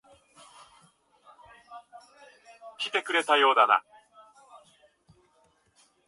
来てくれたようだな。